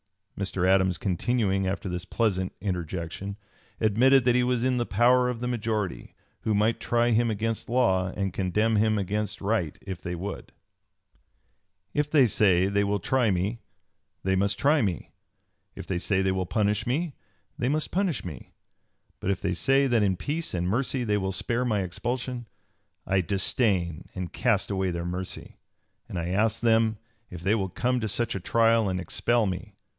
Mr. Adams, continuing after this pleasant interjection, admitted that he was in the power of the majority, who might try him against law and condemn him against right if they would. [Footnote 12: Horace Everett, of Vermont.] "If they say they will try me, they must try me. If they (p. 285) say they will punish me, they must punish me. But if they say that in peace and mercy they will spare me expulsion, I disdain and cast away their mercy; and I ask them if they will come to such a trial and expel me.